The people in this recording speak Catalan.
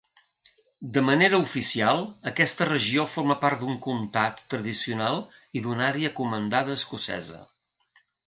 De manera oficial, aquesta regió forma part d'un comtat tradicional i d'una àrea comandada escocesa.